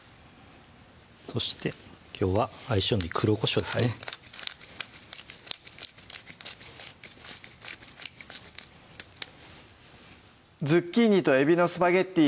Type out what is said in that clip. そしてきょうは相性のいい黒こしょうですね「ズッキーニと海老のスパゲッティ」